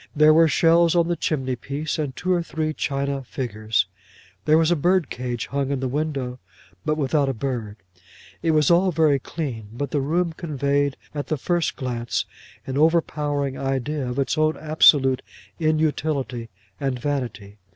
There were shells on the chimneypiece, and two or three china figures. There was a birdcage hung in the window but without a bird. It was all very clean, but the room conveyed at the first glance an overpowering idea of its own absolute inutility and vanity.